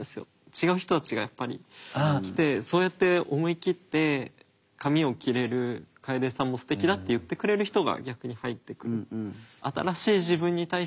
違う人たちがやっぱり来てそうやって思いきって髪を切れる楓さんもすてきだって言ってくれる人が逆に入ってくる。